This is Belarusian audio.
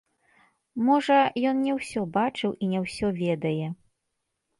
Можа, ён не ўсё бачыў і не ўсё ведае.